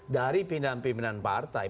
dari pimpinan pimpinan partai